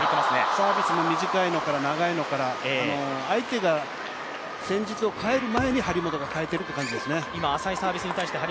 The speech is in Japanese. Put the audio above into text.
サービスも短いのから長いのから相手が戦術を変える前に張本が変えているという感じです。